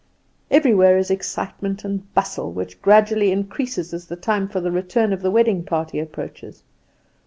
Everywhere is excitement and bustle, which gradually increases as the time for the return of the wedding party approaches.